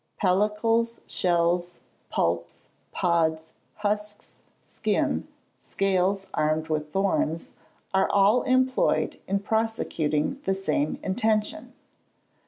Pellicles, shells, pulps, pods, husks, skin, scales armed with thorns, are all employed in prosecuting the same intention.